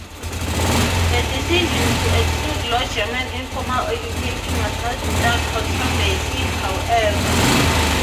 The decision to exclude Low German in formal education was not without controversy, however.